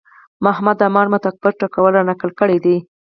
محمد عماره متفکر ټکول رانقل کړی دی